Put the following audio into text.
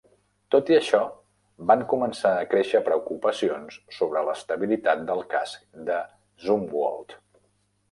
Tot i això, van començar a créixer preocupacions sobre l'estabilitat del casc de "Zumwalt".